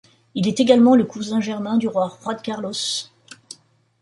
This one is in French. Il est également le cousin germain du roi Juan Carlos.